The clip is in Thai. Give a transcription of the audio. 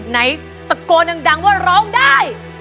ไหนตะโกนดังว่าร้องได้